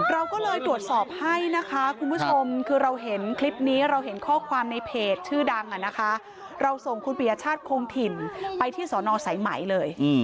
เราก็เลยตรวจสอบให้นะคะคุณผู้ชมคือเราเห็นคลิปนี้เราเห็นข้อความในเพจชื่อดังนะคะเราส่งคุณปียชาติคงถิ่นไปที่สอนอสายไหมเลย